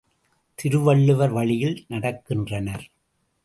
திருவள்ளுவர் வழியில் நடக்கின்றனர்.